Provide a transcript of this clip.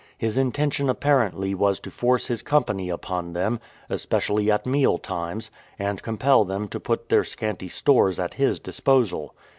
His intention apparently was to force his company upon them, especially at meal times, and compel them to put their scanty stores at his disposal.